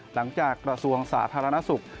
หลังจากกระทรวงสาธารณสุข